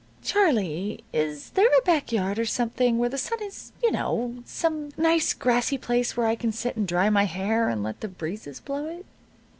"Charlie, is there a back yard, or something, where the sun is, you know some nice, grassy place where I can sit, and dry my hair, and let the breezes blow it?"